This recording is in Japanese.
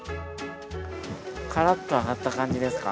からっと揚がった感じですか？